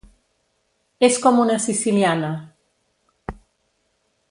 És com una siciliana.